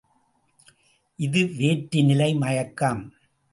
இது வேற்றுநிலை மயக்கம்.